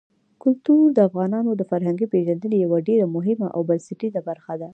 کلتور د افغانانو د فرهنګي پیژندنې یوه ډېره مهمه او بنسټیزه برخه ده.